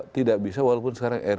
tidak bisa walaupun sekarang